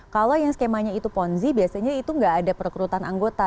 kalau yang skemanya itu ponzi biasanya itu nggak ada perekrutan anggota